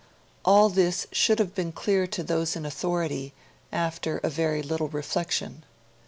All this should have been clear to those in authority, after a very little reflection.